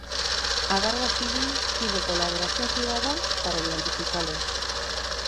A Garda Civil pide colaboración cidadá para identificalo.